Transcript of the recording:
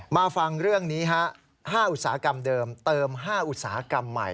มาฟังเรื่องนี้ฮะ๕อุตสาหกรรมเดิมเติม๕อุตสาหกรรมใหม่